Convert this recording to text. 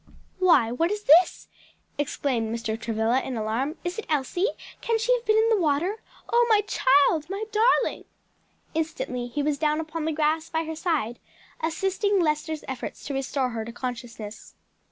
"Why, what is this?" exclaimed Mr. Travilla in alarm, "is it Elsie? can she have been in the water? Oh, my child, my darling!" Instantly he was down upon the grass by her side, assisting Lester's efforts to restore her to consciousness.